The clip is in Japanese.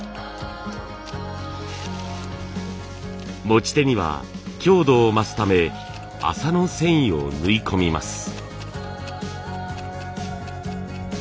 持ち手には強度を増すため麻の繊維を縫い込みます。